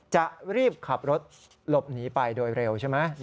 จะรีบขับรถหลบหนีไปโดยเร็วใช่ไหม